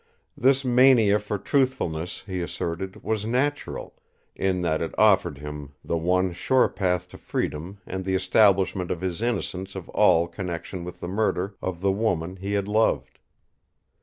This mania for truthfulness, he asserted, was natural, in that it offered him the one sure path to freedom and the establishment of his innocence of all connection with the murder of the woman he had loved.